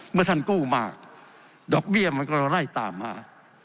เมื่อท่านกู้มากดอกเบี้ยมันก็ไล่ตามมา